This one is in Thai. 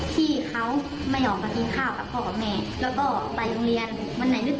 ที่เขาไม่ออกค่ะเปรี้ยงข้าวกับพ่อกับแม่